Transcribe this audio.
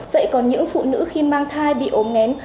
vậy còn những phụ nữ khi mang thai bị ổn nghén